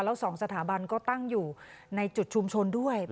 แล้ว๒สถาบันก็ตั้งอยู่ในจุดชุมชนด้วย